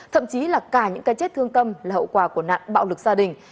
thậm chí là cả những cái chết thương tâm là hậu quả của nạn bạo lực gia đình